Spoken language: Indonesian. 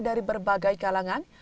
dari berbagai kalangan